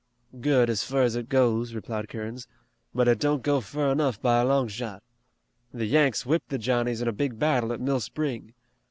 "Good as fur as it goes," replied Kerins, "but it don't go fur enough by a long shot. The Yanks whipped the Johnnies in a big battle at Mill Spring.